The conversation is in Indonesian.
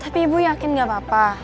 tapi ibu yakin gak apa apa